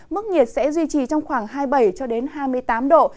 mức nhiệt sẽ duy trì trong khoảng hai mươi bảy hai mươi tám độ